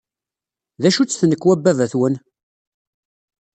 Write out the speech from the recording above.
D acu-tt tnekwa n baba-twen?